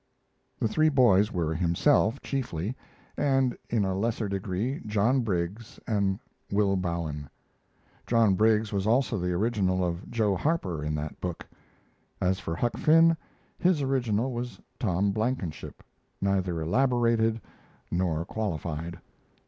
The three boys were himself, chiefly, and in a lesser degree John Briggs and Will Bowen. John Briggs was also the original of Joe Harper in that book. As for Huck Finn, his original was Tom Blankenship, neither elaborated nor qualified.